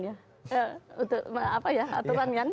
ya untuk apa ya aturan kan